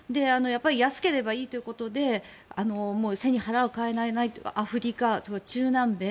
安ければいいということで背に腹を変えられないというかアフリカ、中南米